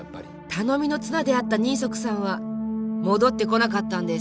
頼みの綱であった人足さんは戻ってこなかったんです。